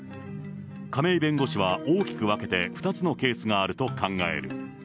亀井弁護士は大きく分けて２つのケースがあると考える。